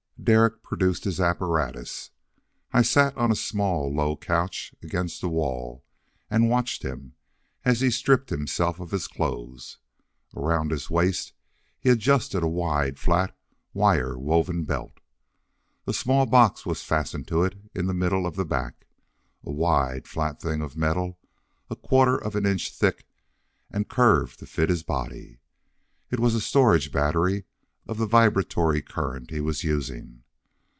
Derek produced his apparatus. I sat on a small low couch against the wall and watched him as he stripped himself of his clothes. Around his waist he adjusted a wide, flat, wire woven belt. A small box was fastened to it in the middle of the back a wide, flat thing of metal, a quarter of an inch thick, and curved to fit his body. It was a storage battery of the vibratory current he was using.